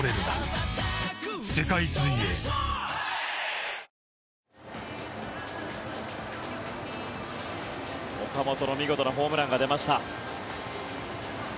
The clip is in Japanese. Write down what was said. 三菱電機岡本の見事なホームランが出ました。